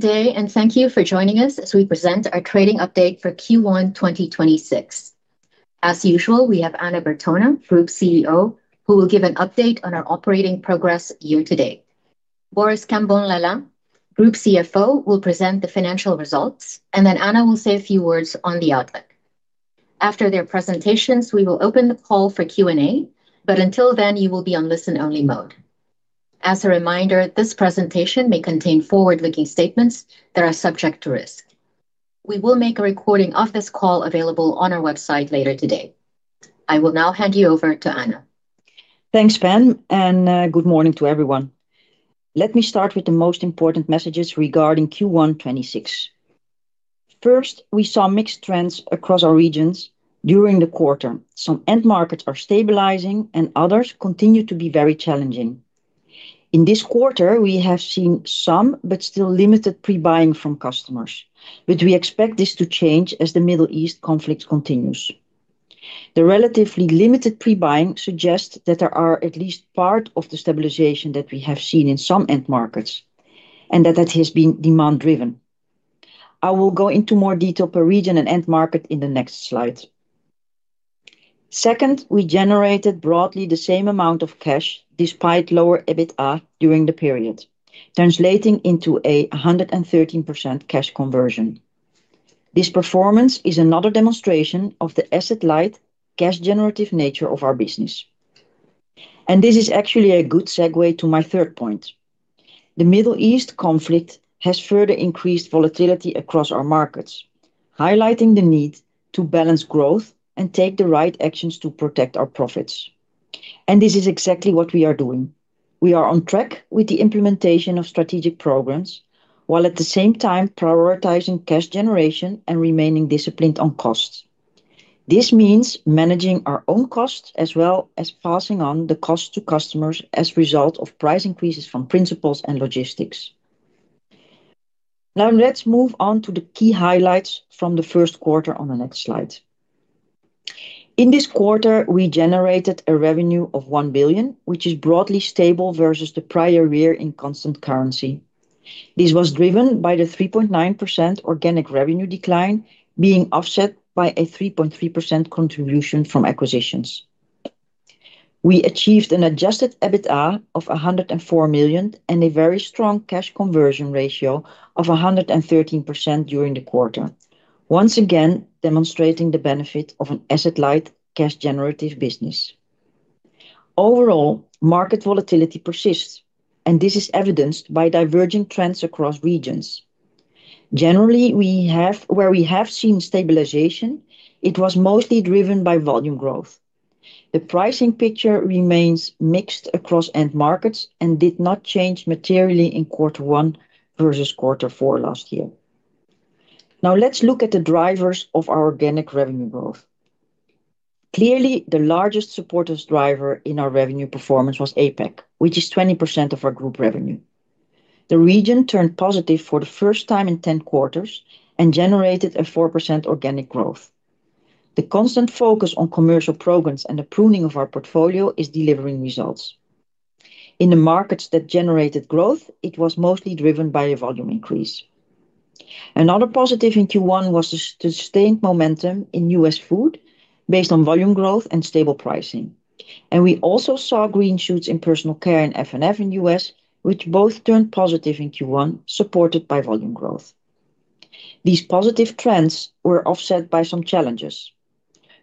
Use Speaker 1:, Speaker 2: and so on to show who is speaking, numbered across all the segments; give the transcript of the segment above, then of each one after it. Speaker 1: Good day, and thank you for joining us as we present our trading update for Q1 2026. As usual, we have Anna Bertona, Group CEO, who will give an update on our operating progress year-to-date. Boris Cambon-Lalanne, Group CFO, will present the financial results, and then Anna will say a few words on the outlook. After their presentations, we will open the call for Q&A, but until then, you will be on listen-only mode. As a reminder, this presentation may contain forward-looking statements that are subject to risk. We will make a recording of this call available on our website later today. I will now hand you over to Anna.
Speaker 2: Thanks, Pam, and good morning to everyone. Let me start with the most important messages regarding Q1 2026. First, we saw mixed trends across our regions during the quarter. Some end markets are stabilizing, and others continue to be very challenging. In this quarter, we have seen some, but still limited, pre-buying from customers, but we expect this to change as the Middle East conflict continues. The relatively limited pre-buying suggests that there are at least part of the stabilization that we have seen in some end markets, and that has been demand driven. I will go into more detail per region and end market in the next slide. Second, we generated broadly the same amount of cash despite lower EBITDA during the period, translating into 113% cash conversion. This performance is another demonstration of the asset-light, cash-generative nature of our business. This is actually a good segue to my third point. The Middle East conflict has further increased volatility across our markets, highlighting the need to balance growth and take the right actions to protect our profits. This is exactly what we are doing. We are on track with the implementation of strategic programs, while at the same time prioritizing cash generation and remaining disciplined on costs. This means managing our own costs as well as passing on the cost to customers as a result of price increases from principals and logistics. Now let's move on to the key highlights from the Q1 on the next slide. In this quarter, we generated a revenue of 1 billion, which is broadly stable versus the prior year in constant currency. This was driven by the 3.9% organic revenue decline being offset by a 3.3% contribution from acquisitions. We achieved an adjusted EBITDA of 104 million and a very strong cash conversion ratio of 113% during the quarter, once again demonstrating the benefit of an asset-light, cash-generative business. Overall, market volatility persists, and this is evidenced by divergent trends across regions. Generally, where we have seen stabilization, it was mostly driven by volume growth. The pricing picture remains mixed across end markets and did not change materially in Q1 versus Q4 last year. Now let's look at the drivers of our organic revenue growth. Clearly, the largest supporting driver in our revenue performance was APAC, which is 20% of our group revenue. The region turned positive for the first time in 10 quarters and generated a 4% organic growth. The constant focus on commercial programs and the pruning of our portfolio is delivering results. In the markets that generated growth, it was mostly driven by a volume increase. Another positive in Q1 was the sustained momentum in U.S. Food based on volume growth and stable pricing. We also saw green shoots in Personal Care and F&F in U.S., which both turned positive in Q1, supported by volume growth. These positive trends were offset by some challenges.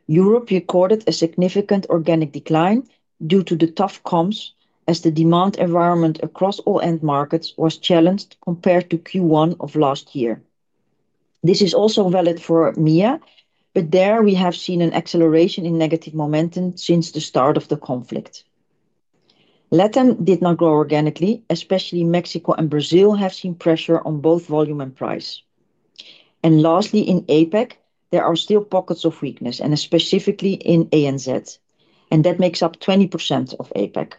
Speaker 2: Europe recorded a significant organic decline due to the tough comps, as the demand environment across all end markets was challenged compared to Q1 of last year. This is also valid for EMEA, but there we have seen an acceleration in negative momentum since the start of the conflict. LATAM did not grow organically, especially in Mexico and Brazil have seen pressure on both volume and price. Lastly, in APAC, there are still pockets of weakness, and specifically in ANZ, and that makes up 20% of APAC.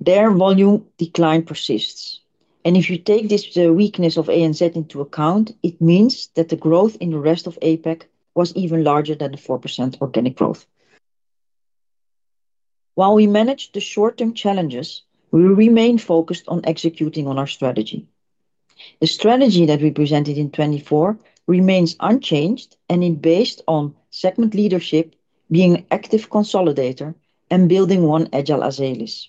Speaker 2: Their volume decline persists. If you take this, the weakness of ANZ into account, it means that the growth in the rest of APAC was even larger than the 4% organic growth. While we manage the short-term challenges, we remain focused on executing on our strategy. The strategy that we presented in 2024 remains unchanged and is based on segment leadership being active consolidator and building one agile Azelis.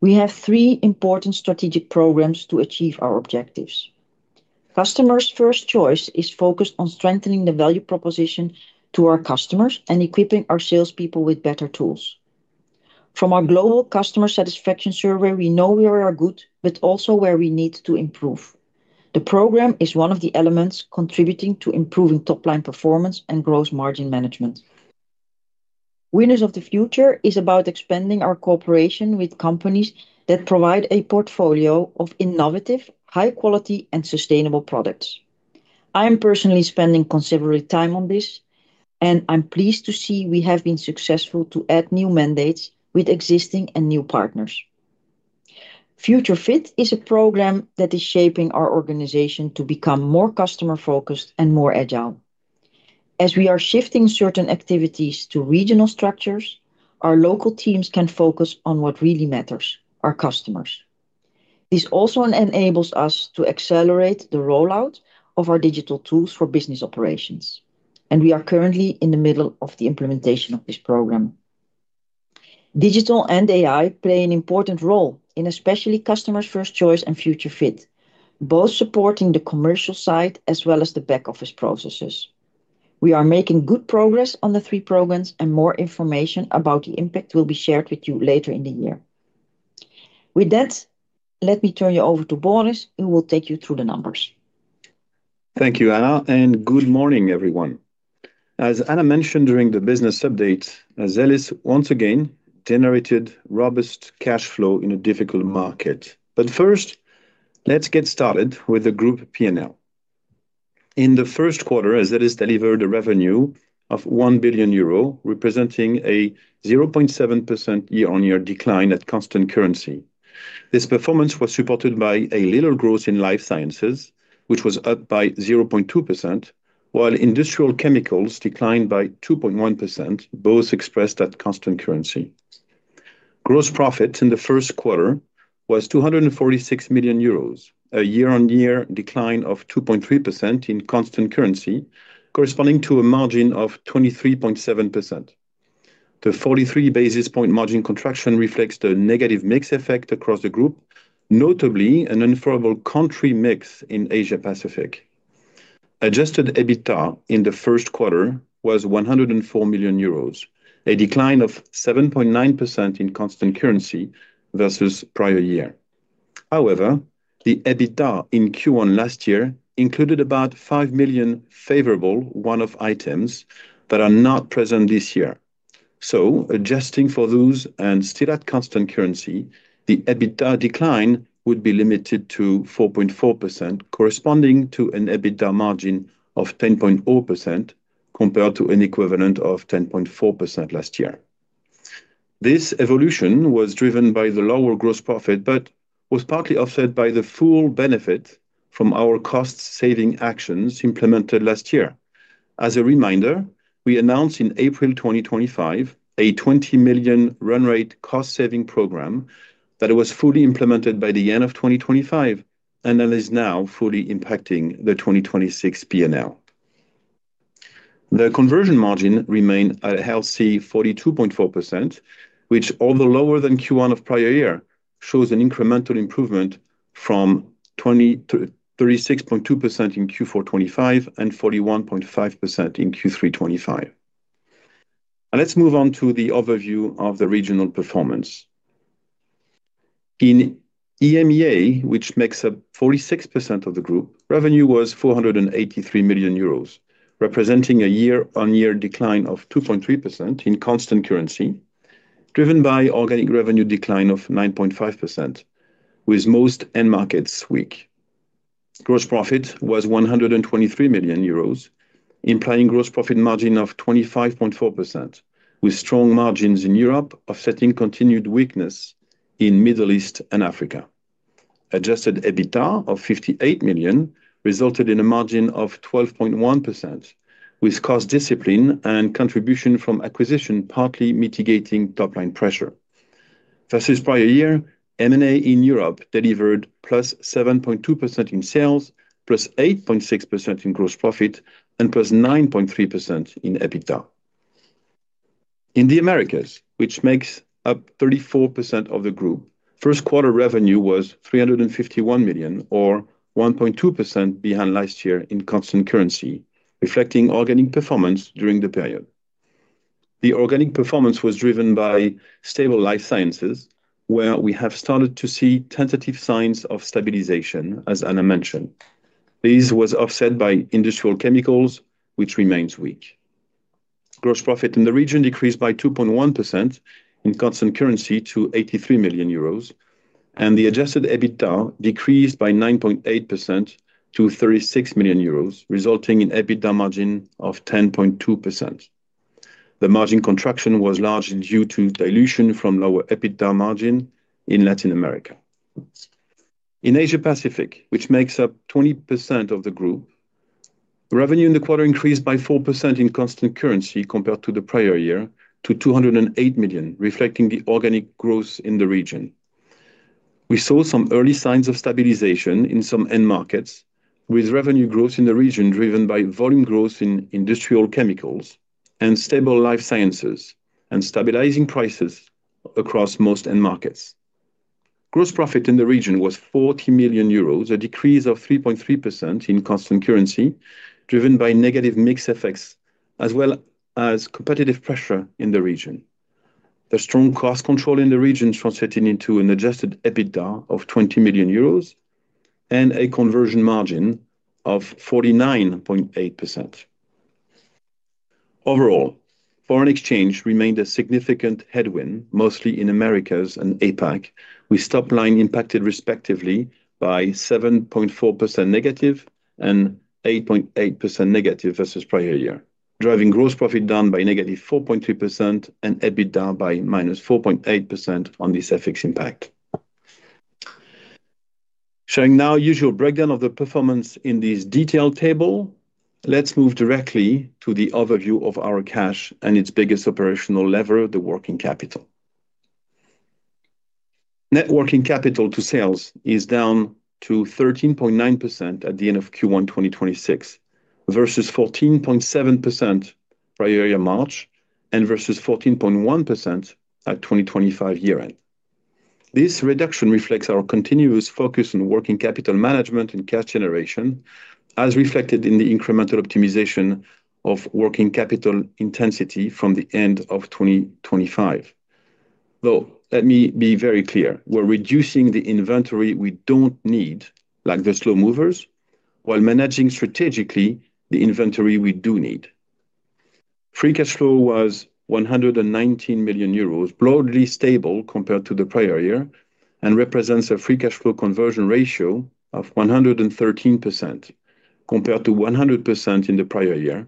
Speaker 2: We have three important strategic programs to achieve our objectives. Customers' First Choice is focused on strengthening the value proposition to our customers and equipping our salespeople with better tools. From our global customer satisfaction survey, we know where we are good, but also where we need to improve. The program is one of the elements contributing to improving top-line performance and gross margin management. Winners of the Future is about expanding our cooperation with companies that provide a portfolio of innovative, high-quality, and sustainable products. I am personally spending considerable time on this, and I'm pleased to see we have been successful to add new mandates with existing and new partners. Future Fit is a program that is shaping our organization to become more customer-focused and more agile. As we are shifting certain activities to regional structures, our local teams can focus on what really matters, our customers. This also enables us to accelerate the rollout of our digital tools for business operations, and we are currently in the middle of the implementation of this program. Digital and AI play an important role, in especially Customers' First Choice and Future Fit, both supporting the commercial side as well as the back office processes. We are making good progress on the three programs, and more information about the impact will be shared with you later in the year. With that, let me turn you over to Boris, who will take you through the numbers.
Speaker 3: Thank you, Anna, and good morning, everyone. As Anna mentioned during the business update, Azelis once again generated robust cash flow in a difficult market. First, let's get started with the group P&L. In the Q1 Azelis delivered a revenue of 1 billion euro, representing a 0.7% year-on-year decline at constant currency. This performance was supported by a little growth in Life Sciences, which was up by 0.2%, while Industrial Chemicals declined by 2.1%, both expressed at constant currency. Gross profit in the Q1 was 246 million euros, a year-on-year decline of 2.3% in constant currency, corresponding to a margin of 23.7%. The 43 basis points margin contraction reflects the negative mix effect across the group, notably an unfavorable country mix in Asia Pacific. Adjusted EBITDA in the Q1 was 104 million euros, a decline of 7.9% in constant currency versus the prior year. However, the EBITDA in Q1 last year included about 5 million of favorable one-off items that are not present this year. Adjusting for those and still at constant currency, the EBITDA decline would be limited to 4.4%, corresponding to an EBITDA margin of 10.0% compared to an equivalent of 10.4% last year. This evolution was driven by the lower gross profit, but was partly offset by the full benefit from our cost-saving actions implemented last year. As a reminder, we announced in April 2025 a 20 million run-rate cost-saving program that was fully implemented by the end of 2025, and that is now fully impacting the 2026 P&L. The conversion margin remained a healthy 42.4%, which, although lower than Q1 of the prior year, shows an incremental improvement from 36.2% in Q4 2025 and 41.5% in Q3 2025. Let's move on to the overview of the regional performance. In EMEA, which makes up 46% of the group, revenue was 483 million euros, representing a year-on-year decline of 2.3% in constant currency, driven by organic revenue decline of 9.5% with most end markets weak. Gross profit was 123 million euros, implying gross profit margin of 25.4%, with strong margins in Europe offsetting continued weakness in the Middle East and Africa. Adjusted EBITDA of 58 million resulted in a margin of 12.1%, with cost discipline and contribution from acquisition partly mitigating top-line pressure. Versus the prior year, M&A in Europe delivered +7.2% in sales, +8.6% in gross profit, and +9.3% in EBITDA. In the Americas, which makes up 34% of the group, Q1 revenue was 351 million, or 1.2% behind last year in constant currency, reflecting organic performance during the period. The organic performance was driven by stable Life Sciences, where we have started to see tentative signs of stabilization, as Anna mentioned. This was offset by Industrial Chemicals, which remains weak. Gross profit in the region decreased by 2.1% in constant currency to 83 million euros, and the adjusted EBITDA decreased by 9.8% to 36 million euros, resulting in EBITDA margin of 10.2%. The margin contraction was largely due to dilution from lower EBITDA margin in Latin America. In Asia Pacific, which makes up 20% of the group, revenue in the quarter increased by 4% in constant currency compared to the prior year to 208 million, reflecting the organic growth in the region. We saw some early signs of stabilization in some end markets, with revenue growth in the region driven by volume growth in Industrial Chemicals and stable Life Sciences, and stabilizing prices across most end markets. Gross profit in the region was 40 million euros, a decrease of 3.3% in constant currency, driven by negative mix effects as well as competitive pressure in the region. The strong cost control in the region translating into an Adjusted EBITDA of 20 million euros and a conversion margin of 49.8%. Overall, foreign exchange remained a significant headwind, mostly in Americas and APAC, with top-line impacted respectively by -7.4% and -8.8% versus the prior year, driving gross profit down by -4.3% and EBITDA by -4.8% on this FX impact. Showing the now usual breakdown of the performance in this detailed table. Let's move directly to the overview of our cash and its biggest operational lever, the working capital. Net working capital to sales is down to 13.9% at the end of Q1 2026, versus 14.7% prior year's March, and versus 14.1% at the 2025 year-end. This reduction reflects our continuous focus on working capital management and cash generation, as reflected in the incremental optimization of working capital intensity from the end of 2025. Though, let me be very clear, we're reducing the inventory we don't need, like the slow movers, while managing strategically the inventory we do need. Free cash flow was 119 million euros, broadly stable compared to the prior year, and represents a free cash flow conversion ratio of 113% compared to 100% in the prior year,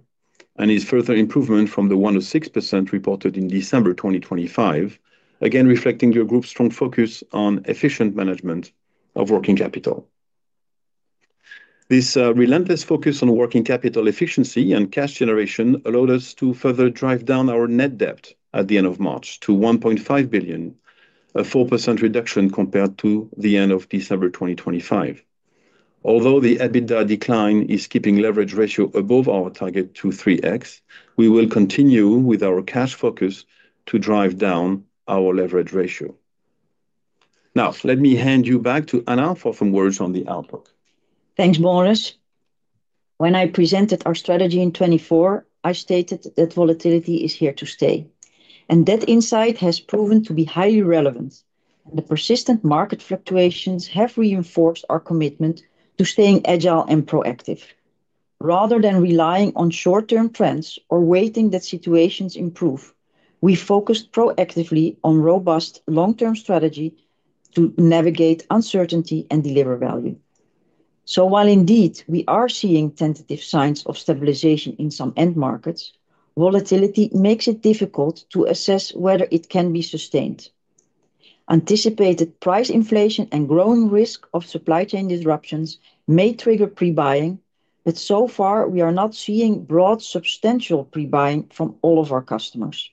Speaker 3: and is further improvement from the 106% reported in December 2025, again reflecting your group's strong focus on efficient management of working capital. This relentless focus on working capital efficiency and cash generation allowed us to further drive down our net debt at the end of March to 1.5 billion, a 4% reduction compared to the end of December 2025. Although the EBITDA decline is keeping the leverage ratio above our target of 3x, we will continue with our cash focus to drive down our leverage ratio. Now, let me hand you back to Anna for some words on the outlook.
Speaker 2: Thanks, Boris. When I presented our strategy in 2024, I stated that volatility is here to stay, and that insight has proven to be highly relevant. The persistent market fluctuations have reinforced our commitment to staying agile and proactive. Rather than relying on short-term trends or waiting that situations improve, we focused proactively on a robust long-term strategy to navigate uncertainty and deliver value. While indeed we are seeing tentative signs of stabilization in some end markets, volatility makes it difficult to assess whether it can be sustained. Anticipated price inflation and growing risk of supply chain disruptions may trigger prebuying, but so far, we are not seeing broad, substantial prebuying from all of our customers.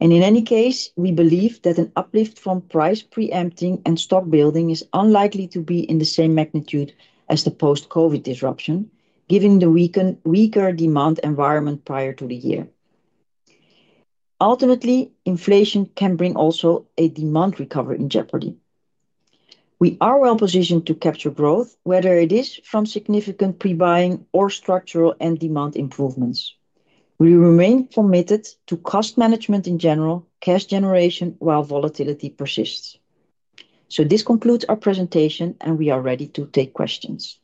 Speaker 2: In any case, we believe that an uplift from price preempting and stock building is unlikely to be in the same magnitude as the post-COVID disruption, given the weaker demand environment prior to the year. Ultimately, inflation can bring also a demand recovery in jeopardy. We are well-positioned to capture growth, whether it is from significant prebuying or structural end demand improvements. We remain committed to cost management in general, cash generation while volatility persists. This concludes our presentation, and we are ready to take questions.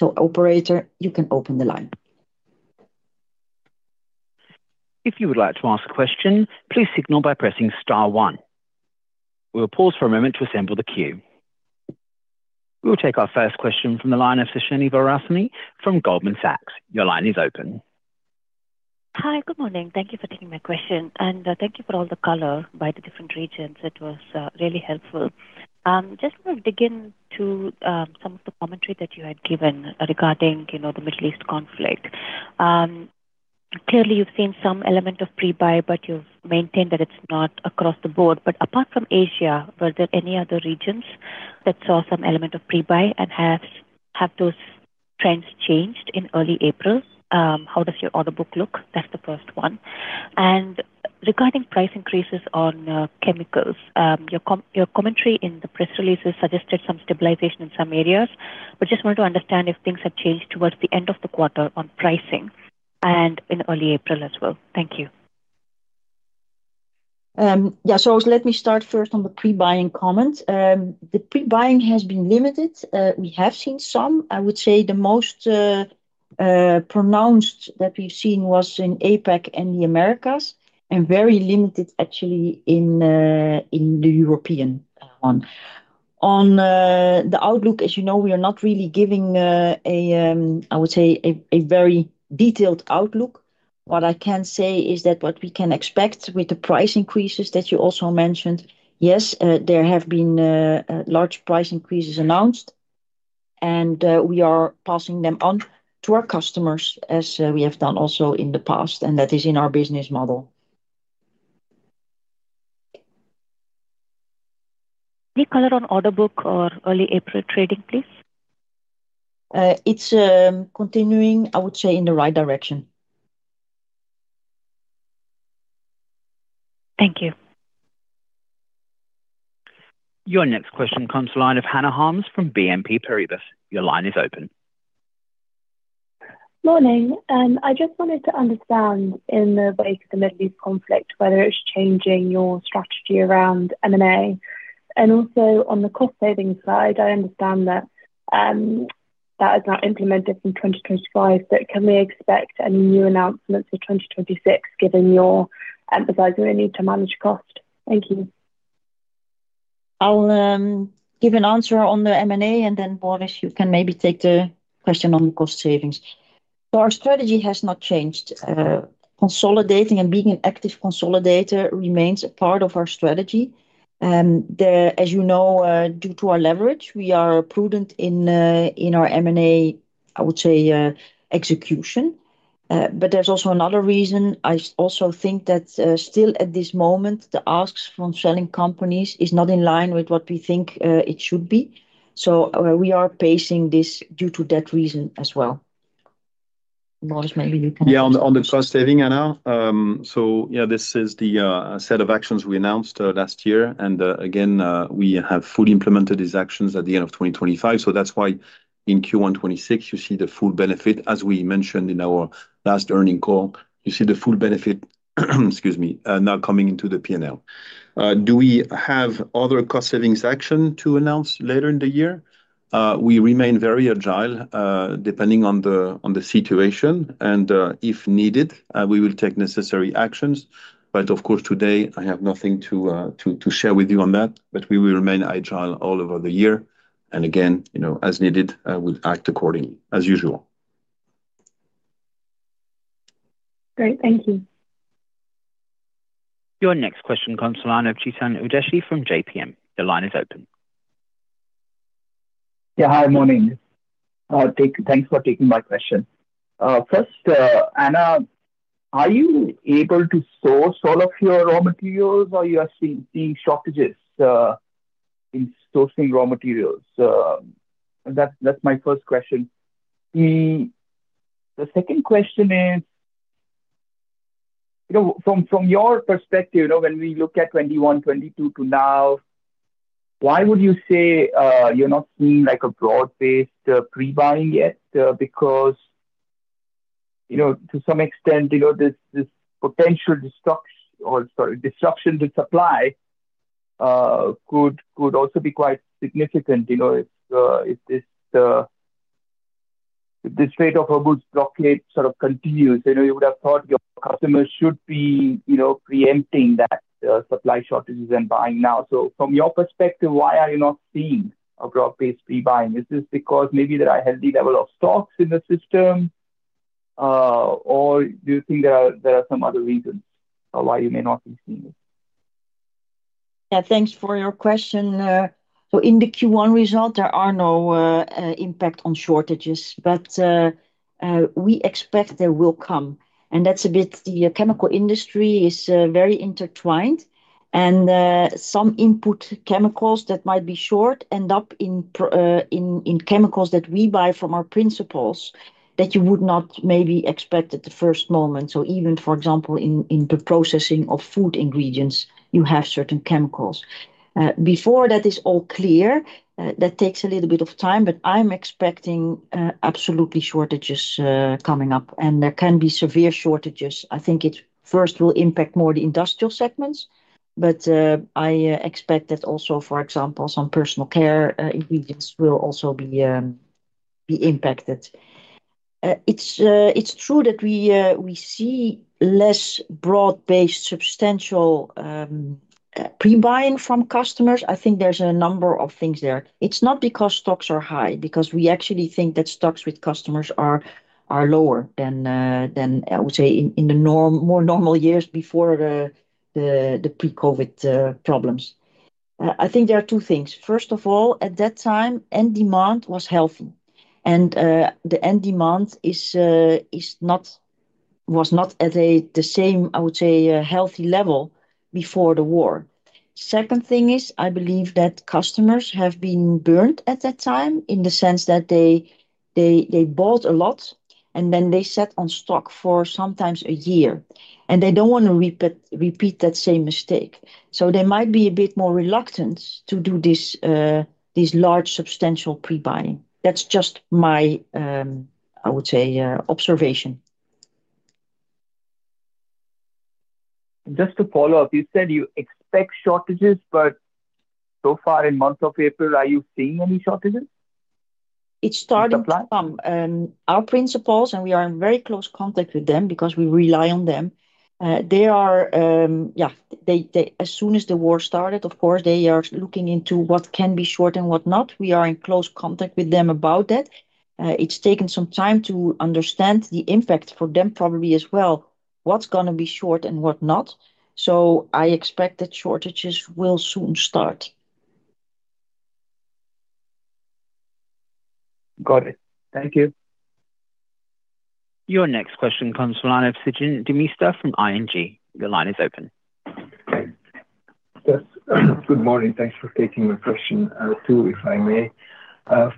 Speaker 2: Operator, you can open the line.
Speaker 4: If you would like to ask a question, please signal by pressing star one. We will pause for a moment to assemble the queue. We will take our first question from the line of Suhasini Varansi from Goldman Sachs. Your line is open.
Speaker 5: Hi. Good morning. Thank you for taking my question, and thank you for all the color by the different regions. It was really helpful. Just want to dig into some of the commentary that you had given regarding the Middle East conflict. Clearly, you've seen some element of pre-buy, but you've maintained that it's not across the board. Apart from Asia, were there any other regions that saw some element of pre-buy, and have those trends changed in early April? How does your order book look? That's the first one. Regarding price increases on chemicals, your commentary in the press releases suggested some stabilization in some areas, but I just wanted to understand if things have changed towards the end of the quarter on pricing and in early April as well. Thank you.
Speaker 2: Yeah. Let me start first on the pre-buying comment. The pre-buying has been limited. We have seen some. I would say the most pronounced that we've seen was in APAC and the Americas, and very limited actually in the European one. On the outlook, as you know, we are not really giving a, I would say, a very detailed outlook. What I can say is that what we can expect with the price increases that you also mentioned, yes, there have been large price increases announced, and we are passing them on to our customers as we have done also in the past, and that is in our business model.
Speaker 5: Any color on the order book or early April trading, please?
Speaker 2: It's continuing, I would say, in the right direction.
Speaker 5: Thank you.
Speaker 4: Your next question comes from the line of Hannah Harms from BNP Paribas. Your line is open.
Speaker 6: Morning. I just wanted to understand, in the wake of the Middle East conflict, whether it's changing your strategy around M&A. Also, on the cost-saving side, I understand that, that is now implemented from 2025, but can we expect any new announcements for 2026, given your emphasizing a need to manage costs? Thank you.
Speaker 2: I'll give an answer on the M&A, and then, Boris, you can maybe take the question on cost savings. Our strategy has not changed. Consolidating and being an active consolidator remains a part of our strategy. As you know, due to our leverage, we are prudent in our M&A, I would say, execution. There's also another reason. I also think that still at this moment, the asks from selling companies is not in line with what we think it should be. We are pacing this due to that reason as well. Boris, maybe you can-
Speaker 3: Yeah, on the cost savings, Anna. Yeah, this is the set of actions we announced last year. Again, we have fully implemented these actions at the end of 2025. That's why in Q1 2026, you see the full benefit, as we mentioned in our last earnings call. You see the full benefit, excuse me, now coming into the P&L. Do we have other cost savings actions to announce later in the year? We remain very agile, depending on the situation, and, if needed, we will take necessary actions. Of course, today I have nothing to share with you on that. We will remain agile all over the year, and again, as needed, we'll act accordingly as usual.
Speaker 6: Great. Thank you.
Speaker 4: Your next question comes from Chetan Udeshi from JPMorgan. Your line is open.
Speaker 7: Yeah. Hi. Morning. Thanks for taking my question. First, Anna, are you able to source all of your raw materials, or you are seeing shortages in sourcing raw materials? That's my first question. The second question is, from your perspective, when we look at 2021, 2022, to now, why would you say you're not seeing a broad-based pre-buying yet? Because, to some extent, this potential disruption to supply could also be quite significant. If this rate of raw materials blockade sort of continues, you would have thought your customers should be preempting the supply shortages and buying now. From your perspective, why are you not seeing a broad-based pre-buying? Is this because maybe there are healthy levels of stocks in the system, or do you think there are some other reasons of why you may not be seeing it?
Speaker 2: Yeah, thanks for your question. In the Q1 result, there are no impact on shortages. We expect they will come, and that's a bit of the chemical industry is very intertwined, and some input chemicals that might be short end up in chemicals that we buy from our principals that you would not maybe expect at the first moment. Even, for example, in the processing of food ingredients, you have certain chemicals. Before that is all clear, that takes a little bit of time, but I'm expecting absolutely shortages coming up, and there can be severe shortages. I think it first will impact more the industrial segments, but I expect that also, for example, some Personal Care ingredients will also be impacted. It's true that we see less broad-based, substantial pre-buying from customers. I think there's a number of things there. It's not because stocks are high, because we actually think that stocks with customers are lower than, I would say, in the more normal years before the pre-COVID problems. I think there are two things. First of all, at that time, end demand was healthy, and the end demand was not at the same, I would say, healthy level before the war. Second thing is, I believe that customers have been burned at that time in the sense that they bought a lot, and then they sat on stock for sometimes a year, and they don't want to repeat that same mistake. They might be a bit more reluctant to do this large, substantial pre-buying. That's just my, I would say, observation.
Speaker 7: Just to follow up, you said you expect shortages, but so far in month of April, are you seeing any shortages?
Speaker 2: It's starting to come. Our principals, and we are in very close contact with them because we rely on them. As soon as the war started, of course, they are looking into what can be short and what not. We are in close contact with them about that. It's taken some time to understand the impact for them, probably as well, what's going to be short and what not. I expect that shortages will soon start.
Speaker 7: Got it. Thank you.
Speaker 4: Your next question comes from Stijn Demeester from ING. Your line is open.
Speaker 8: Yes. Good morning. Thanks for taking my question too, if I may.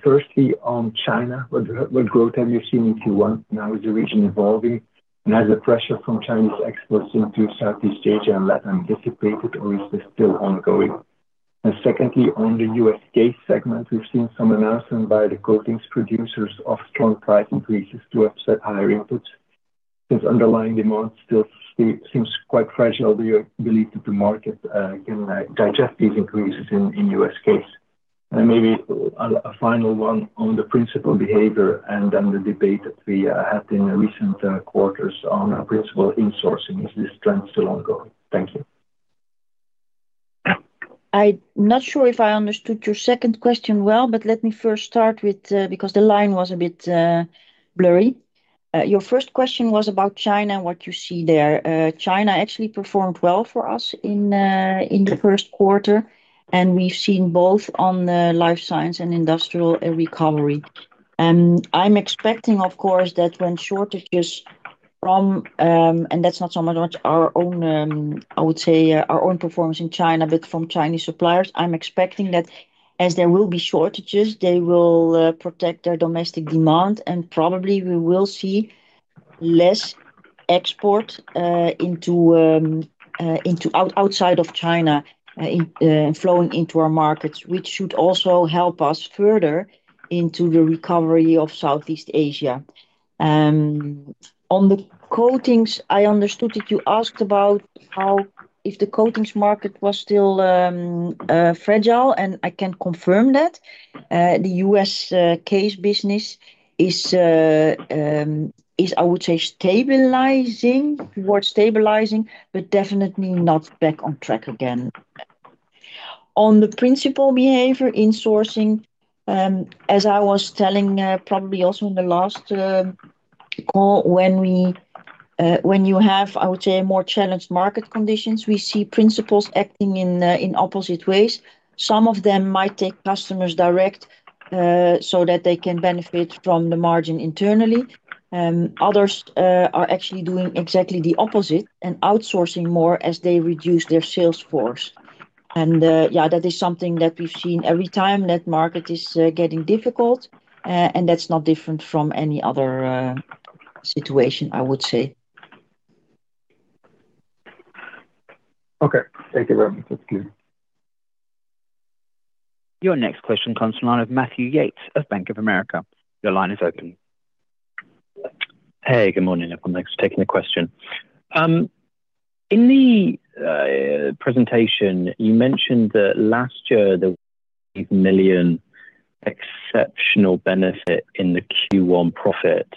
Speaker 8: Firstly, on China, what growth have you seen in Q1? How is the region evolving? Has the pressure from Chinese exports into Southeast Asia and Latin dissipated, or is this still ongoing? Secondly, on the U.S. CASE segment, we've seen some announcements by the coatings producers of strong price increases to offset higher inputs. Since underlying demand still seems quite fragile, do you believe that the market can digest these increases in U.S. CASE? Maybe a final one on the principal behavior and then the debate that we had in recent quarters on principal insourcing. Is this trend still ongoing? Thank you.
Speaker 2: I'm not sure if I understood your second question well, but because the line was a bit blurry. Your first question was about China and what you see there. China actually performed well for us in the first quarter, and we've seen both on the Life Sciences and Industrial recovery. I'm expecting, of course, that when shortages from, and that's not so much our own, I would say, our own performance in China, but from Chinese suppliers. I'm expecting that as there will be shortages, they will protect their domestic demand, and probably we will see less export into outside of China and flowing into our markets, which should also help us further into the recovery of Southeast Asia. On the Coatings, I understood that you asked about if the Coatings market was still fragile, and I can confirm that. The U.S. CASE business is, I would say, toward stabilizing, but definitely not back on track again. On the principal behavior in sourcing, as I was telling probably also in the last call, when you have, I would say, more challenged market conditions, we see principals acting in opposite ways. Some of them might take customers direct, so that they can benefit from the margin internally. Others are actually doing exactly the opposite and outsourcing more as they reduce their sales force. Yeah, that is something that we've seen every time that market is getting difficult. That's not different from any other situation, I would say.
Speaker 8: Okay. Thank you very much. That's clear.
Speaker 4: Your next question comes from Matthew Yates of Bank of America. Your line is open.
Speaker 9: Hey, good morning, everyone. Thanks for taking the question. In the presentation, you mentioned that last year there was 8 million exceptional benefit in the Q1 profit.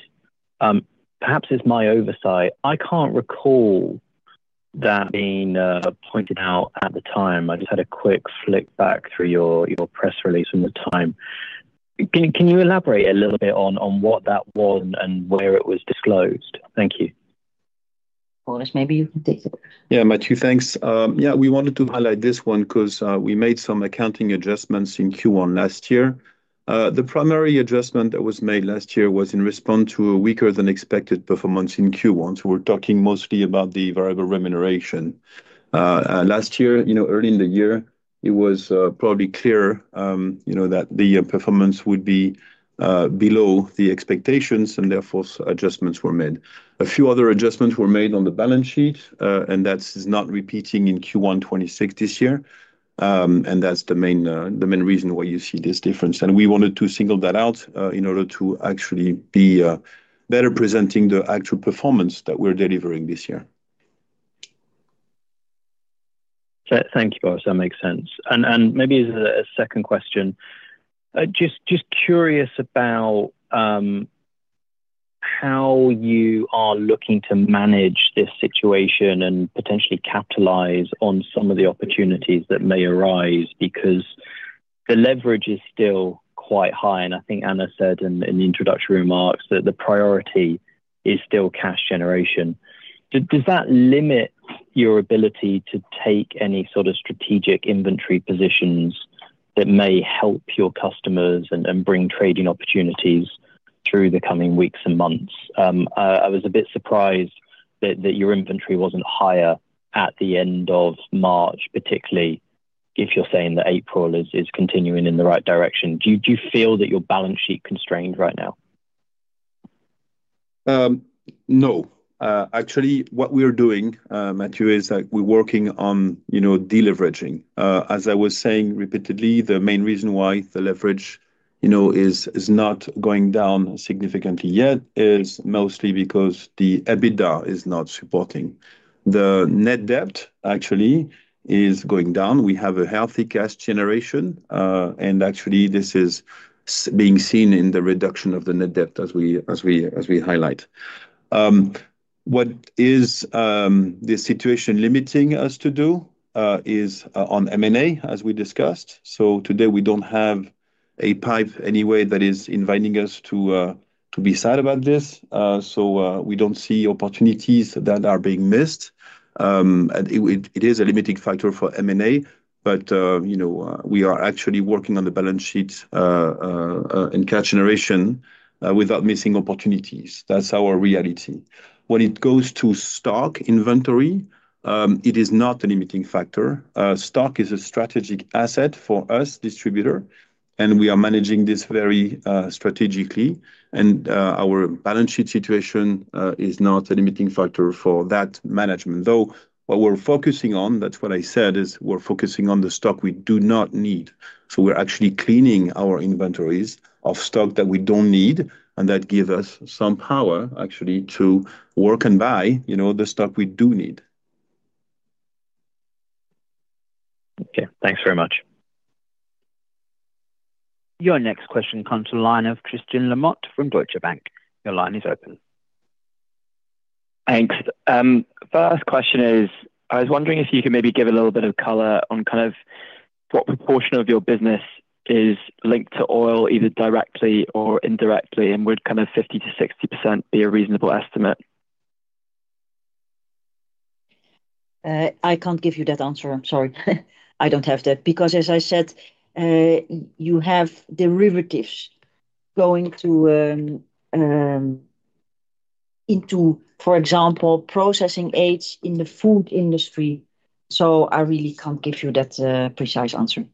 Speaker 9: Perhaps it's my oversight. I can't recall that being pointed out at the time. I just had a quick flick back through your press release from the time. Can you elaborate a little bit on what that was and where it was disclosed? Thank you.
Speaker 2: Boris, maybe you can take it.
Speaker 3: Yeah, Matthew. Thanks. Yeah, we wanted to highlight this one because we made some accounting adjustments in Q1 last year. The primary adjustment that was made last year was in response to a weaker-than-expected performance in Q1. We're talking mostly about the variable remuneration. Last year, early in the year, it was probably clear that the performance would be below the expectations, And therefore adjustments were made. A few other adjustments were made on the balance sheet. That is not repeating in Q1 2026 this year. That's the main reason why you see this difference. We wanted to single that out in order to actually be better at presenting the actual performance that we're delivering this year.
Speaker 9: Thank you, Boris. That makes sense. Maybe as a second question, just curious about how you are looking to manage this situation and potentially capitalize on some of the opportunities that may arise because the leverage is still quite high. I think Anna said in the introductory remarks that the priority is still cash generation. Does that limit your ability to take any sort of strategic inventory positions that may help your customers and bring trading opportunities through the coming weeks and months? I was a bit surprised that your inventory wasn't higher at the end of March, particularly if you're saying that April is continuing in the right direction. Do you feel that your balance sheet is constrained right now?
Speaker 3: No. Actually, what we're doing, Matthew, is we're working on de-leveraging. As I was saying repeatedly, the main reason why the leverage is not going down significantly yet is mostly because the EBITDA is not supporting. The net debt actually is going down. We have a healthy cash generation. Actually, this is being seen in the reduction of the net debt, as we highlight. What is the situation limiting us to do is on M&A, as we discussed? Today, we don't have a pipeline anyway that is inviting us to be sad about this. We don't see opportunities that are being missed. It is a limiting factor for M&A, but we are actually working on the balance sheet in cash generation without missing opportunities. That's our reality. When it goes to stock inventory, it is not a limiting factor. Stock is a strategic asset for us distributor, and we are managing this very strategically. Our balance sheet situation is not a limiting factor for that management. Though, what we're focusing on, that's what I said, is we're focusing on the stock we do not need. We're actually cleaning our inventories of stock that we don't need, and that give us some power actually to work and buy the stock we do need.
Speaker 9: Okay. Thanks very much.
Speaker 4: Your next question comes from the line of Tristan Lamotte from Deutsche Bank. Your line is open.
Speaker 10: Thanks. First question is, I was wondering if you could maybe give a little bit of color on what proportion of your business is linked to oil, either directly or indirectly, and would 50%-60% be a reasonable estimate?
Speaker 2: I can't give you that answer. I'm sorry. I don't have that. Because, as I said, you have derivatives going into, for example, processing aids in the food industry. I really can't give you that precise answer.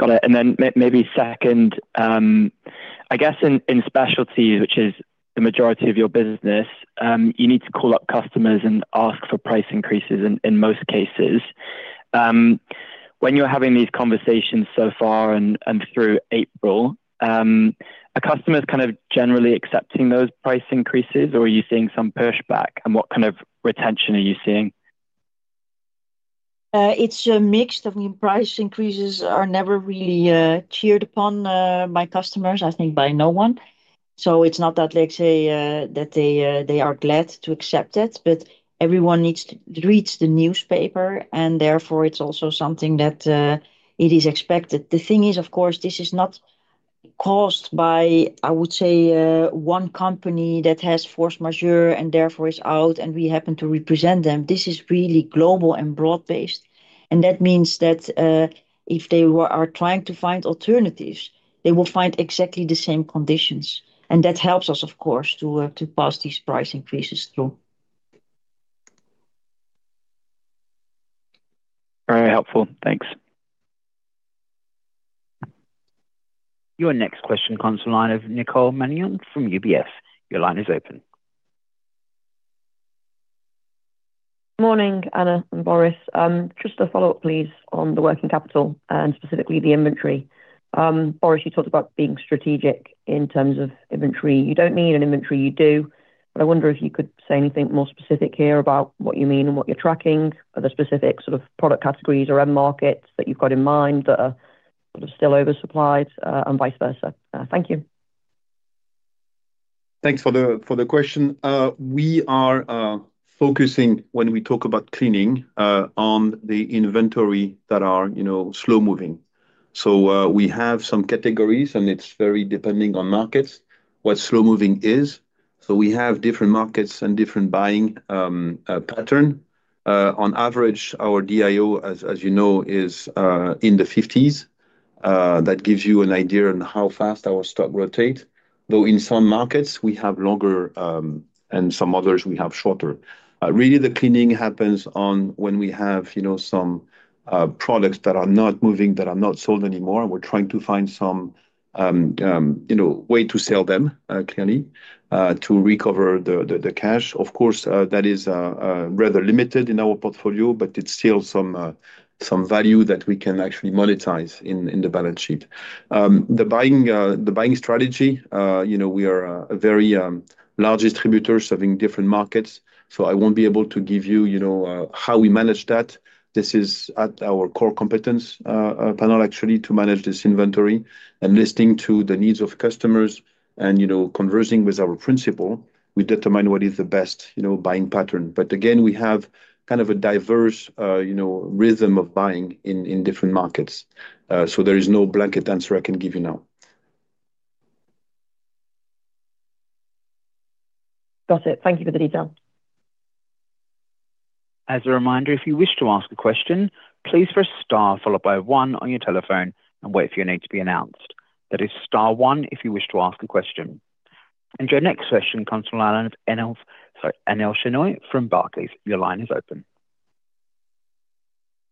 Speaker 10: Got it. Maybe second, I guess, in specialties, which is the majority of your business, you need to call up customers and ask for price increases in most cases. When you're having these conversations so far and through April, are customers kind of generally accepting those price increases, or are you seeing some pushback? What kind of retention are you seeing?
Speaker 2: It's a mix. Price increases are never really cheered upon by customers, I think, by no one. So it's not that they are glad to accept it, but everyone reads the newspaper, and therefore, it's also something that it is expected. The thing is, of course, this is not caused by, I would say, one company that has a force majeure and therefore is out, and we happen to represent them. This is really global and broad-based, and that means that if they are trying to find alternatives, they will find exactly the same conditions. That helps us, of course, to pass these price increases through.
Speaker 10: Very helpful. Thanks.
Speaker 4: Your next question comes from the line of Nicole Manion from UBS. Your line is open.
Speaker 11: Morning, Anna and Boris. Just a follow-up, please, on the working capital and specifically the inventory. Boris, you talked about being strategic in terms of inventory. You don't need an inventory, you do, but I wonder if you could say anything more specific here about what you mean and what you're tracking. Are there specific sorts of product categories or end markets that you've got in mind that are still oversupplied, and vice versa? Thank you.
Speaker 3: Thanks for the question. We are focusing, when we talk about cleaning, on the inventory that are slow-moving. We have some categories, and it's very depending on markets what slow-moving is. We have different markets and different buying patterns. On average, our DIO, as you know, is in the 50s. That gives you an idea on how fast our stock rotates, though, in some markets we have longer, and some others we have shorter. Really, the cleaning happens on when we have some products that are not moving, that are not sold anymore, and we're trying to find some way to sell them, clearly, to recover the cash. Of course, that is rather limited in our portfolio, but it's still some value that we can actually monetize in the balance sheet. The buying strategy, we are a very large distributor serving different markets, so I won't be able to give you how we manage that. This is at our core competence panel, actually, to manage this inventory and listening to the needs of customers and conversing with our principal, we determine what is the best buying pattern. Again, we have kind of a diverse rhythm of buying in different markets. There is no blanket answer I can give you now.
Speaker 11: Got it. Thank you for the detail.
Speaker 4: As a reminder, if you wish to ask a question, please press star followed by one on your telephone and wait for your name to be announced. That is star one if you wish to ask a question. Your next question comes from the line of Anil Shenoy from Barclays. Your line is open.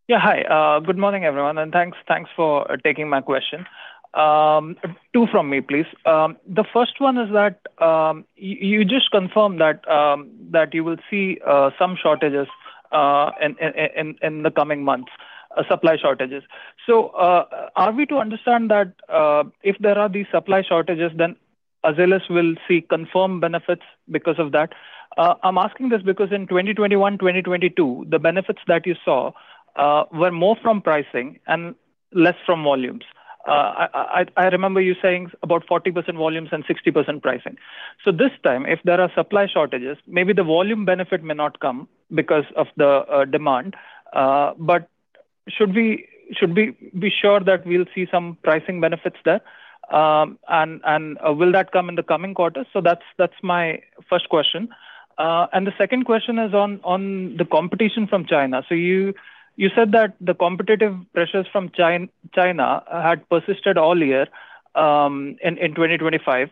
Speaker 12: Yeah. Hi. Good morning, everyone, and thanks for taking my question. Two from me, please. The first one is that you just confirmed that you will see some shortages in the coming months, supply shortages. Are we to understand that if there are these supply shortages, then Azelis will see confirmed benefits because of that? I'm asking this because in 2021, 2022, the benefits that you saw were more from pricing and less from volumes. I remember you saying about 40% volumes and 60% pricing. This time, if there are supply shortages, maybe the volume benefit may not come because of the demand. Should we be sure that we'll see some pricing benefits there, and will that come in the coming quarters? That's my first question. The second question is on the competition from China. You said that the competitive pressures from China had persisted all year in 2025.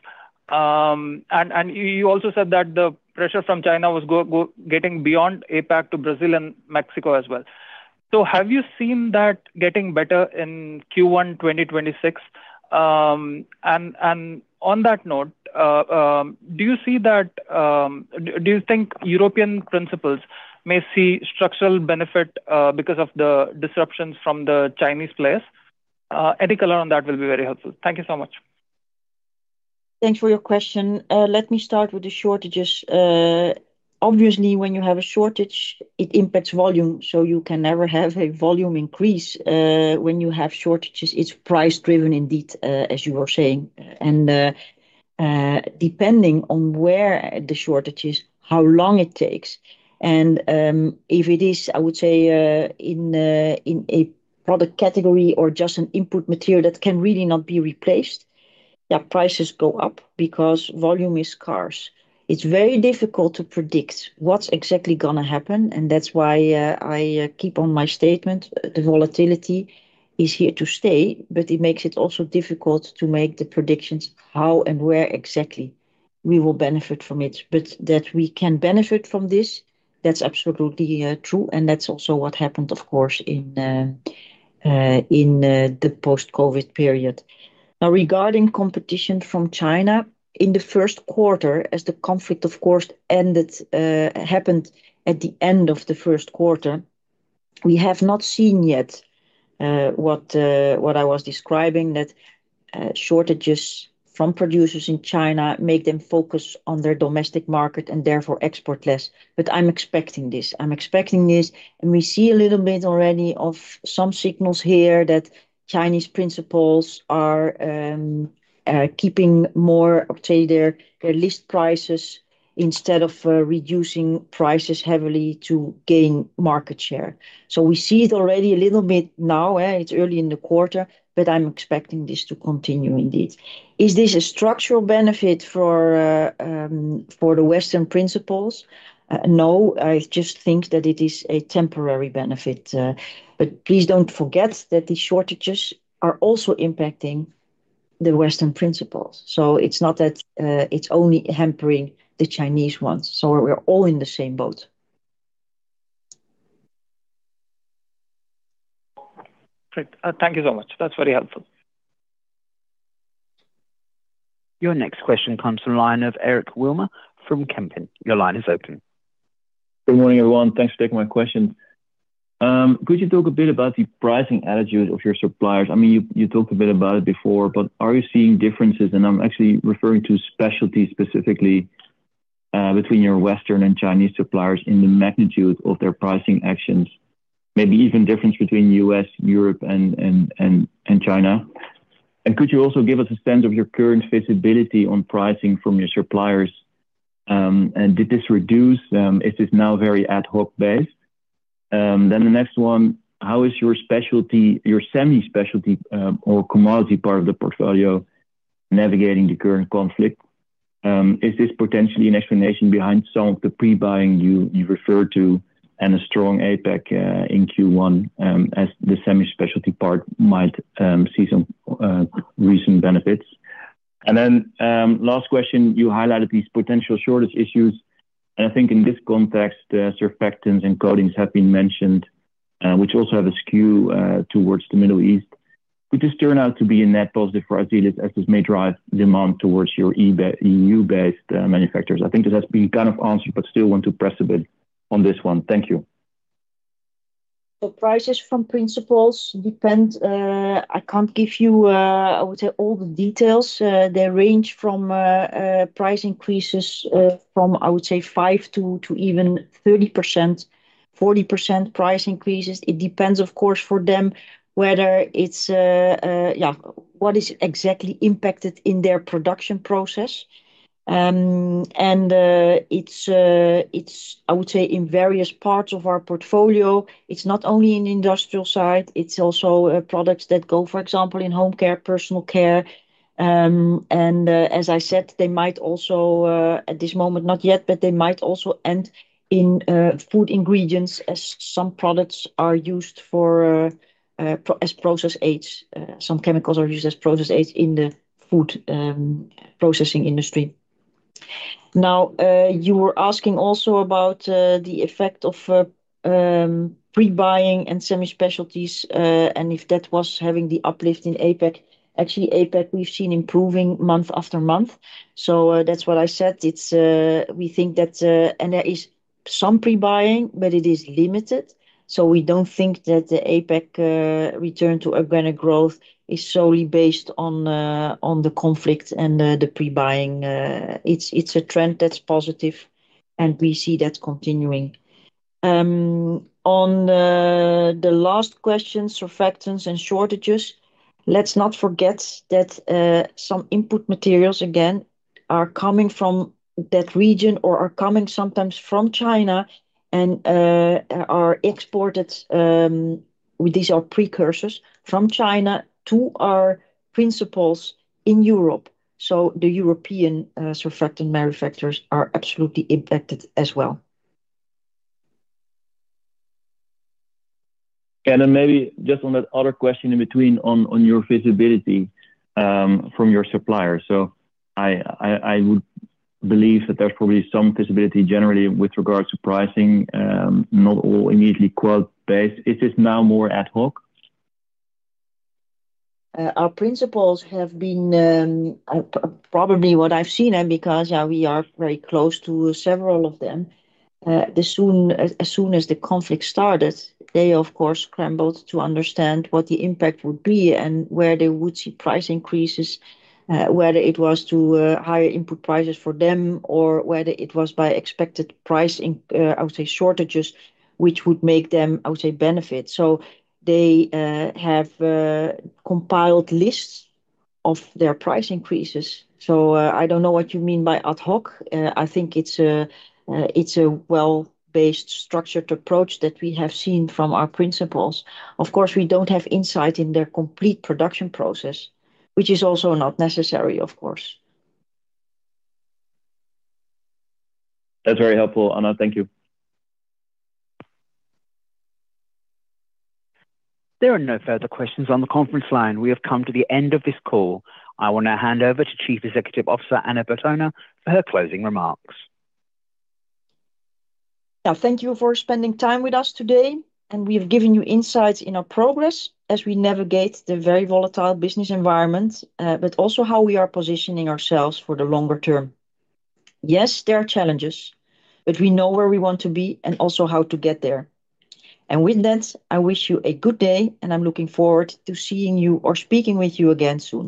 Speaker 12: You also said that the pressure from China was getting beyond APAC to Brazil and Mexico as well. Have you seen that getting better in Q1 2026? On that note, do you think European principals may see structural benefit because of the disruptions from the Chinese players? Any color on that will be very helpful. Thank you so much.
Speaker 2: Thanks for your question. Let me start with the shortages. Obviously, when you have a shortage, it impacts volume, so you can never have a volume increase. When you have shortages, it's price-driven indeed, as you were saying. Depending on where the shortage is, how long it takes, and if it is, I would say, in a product category or just an input material that can really not be replaced, yeah, prices go up because volume is scarce. It's very difficult to predict what's exactly going to happen, and that's why I keep on my statement. The volatility is here to stay, but it makes it also difficult to make the predictions, how and where exactly we will benefit from it. That we can benefit from this, that's absolutely true, and that's also what happened, of course, in the post-COVID period. Now, regarding competition from China, in the Q1, as the conflict, of course, ended. It happened at the end of the Q1. We have not seen yet what I was describing, that shortages from producers in China make them focus on their domestic market and therefore export less. I'm expecting this, and we see a little bit already of some signals here that Chinese principals are keeping more of their list prices instead of reducing prices heavily to gain market share. We see it already a little bit now. It's early in the quarter, but I'm expecting this to continue indeed. Is this a structural benefit for the Western principals? No, I just think that it is a temporary benefit. Please don't forget that these shortages are also impacting the Western principals. It's not that it's only hampering the Chinese ones. We're all in the same boat.
Speaker 12: Great. Thank you so much. That's very helpful.
Speaker 4: Your next question comes from the line of Eric Wilmer from Kempen. Your line is open.
Speaker 13: Good morning, everyone. Thanks for taking my questions. Could you talk a bit about the pricing attitude of your suppliers? I mean, you talked a bit about it before, but are you seeing differences, and I'm actually referring to specialties specifically, between your Western and Chinese suppliers in the magnitude of their pricing actions, maybe even the difference between U.S., Europe, and China? Could you also give us a sense of your current visibility on pricing from your suppliers? Did this reduce them? Is this now very ad hoc-based? The next one, how is your specialty, your semi-specialty, or commodity part of the portfolio navigating the current conflict? Is this potentially an explanation behind some of the pre-buying you referred to, and a strong APAC in Q1, as the semi-specialty part might see some recent benefits? Last question, you highlighted these potential shortage issues, and I think in this context, surfactants and coatings have been mentioned, which also have a skew towards the Middle East. Could this turn out to be a net positive for Azelis as this may drive demand towards your EU-based manufacturers? I think this has been kind of answered, but I still want to press a bit on this one. Thank you.
Speaker 2: The prices from principals depend. I can't give you, I would say, all the details. They range from price increases from, I would say, 5% to even 30%, 40% price increases. It depends, of course, for them, whether it's what is exactly impacted in their production process. It's, I would say, in various parts of our portfolio. It's not only in industrial side, it's also products that go, for example, in Home Care, Personal Care. As I said, they might also, at this moment not yet, but they might also end in food ingredients, as some products are used as process aids. Some chemicals are used as process aids in the food processing industry. Now, you were asking also about the effect of pre-buying and semi-specialties, and if that was having the uplift in APAC. Actually, APAC, we've seen improving month after month. That's what I said. There is some pre-buying, but it is limited. We don't think that the APAC return to organic growth is solely based on the conflict and the pre-buying. It's a trend that's positive, and we see that continuing. On the last question, surfactants and shortages, let's not forget that some input materials, again, are coming from that region or are coming sometimes from China and are exported. These are precursors from China to our principals in Europe. The European surfactant manufacturers are absolutely impacted as well.
Speaker 13: Maybe just on that other question in between on your visibility from your supplier. I would believe that there's probably some visibility generally with regards to pricing, not all immediately quote-based. Is this now more ad hoc?
Speaker 2: Probably what I've seen, and because we are very close to several of them. As soon as the conflict started, they of course scrambled to understand what the impact would be and where they would see price increases, whether it was due to higher input prices for them or whether it was due to expected price, I would say, shortages, which would make them, I would say, benefit. They have compiled lists of their price increases. I don't know what you mean by ad hoc. I think it's a well-based, structured approach that we have seen from our principals. Of course, we don't have insight into their complete production process, which is also not necessary, of course.
Speaker 13: That's very helpful, Anna. Thank you.
Speaker 4: There are no further questions on the conference line. We have come to the end of this call. I will now hand over to Chief Executive Officer, Anna Bertona, for her closing remarks.
Speaker 2: Now, thank you for spending time with us today, and we have given you insights in our progress as we navigate the very volatile business environment, but also how we are positioning ourselves for the longer term. Yes, there are challenges, but we know where we want to be and also how to get there. With that, I wish you a good day, and I'm looking forward to seeing you or speaking with you again soon.